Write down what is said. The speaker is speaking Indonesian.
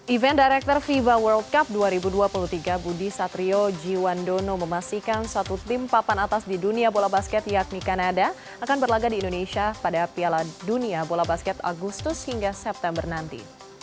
event director fiba world cup dua ribu dua puluh tiga budi satrio jiwandono memastikan satu tim papan atas di dunia bola basket yakni kanada akan berlaga di indonesia pada piala dunia bola basket agustus hingga september nanti